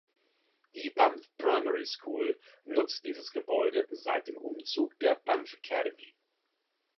Die Banff Primary School nutzt dieses Gebäude seit dem Umzug der Banff Academy.